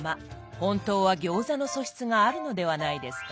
本当は餃子の素質があるのではないですか？